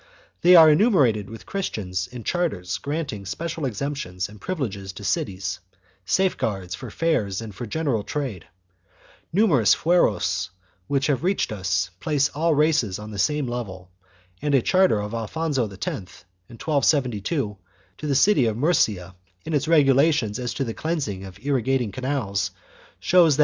4 They are enumerated with Christians in charters granting special exemptions and privileges to cities, safeguards for fairs and for general trade.5 Numerous Fueros which have reached us place all races on the same level, and a charter of Alfonso X, in 1272, to the city of Murcia, in its regulations as to 1 Mondexar, Memorias de Alonso VIII, cap.